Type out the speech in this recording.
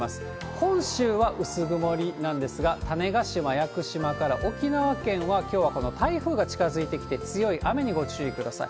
本州は薄曇りなんですが、種子島、屋久島から沖縄県は、きょうはこの台風が近づいてきて、強い雨にご注意ください。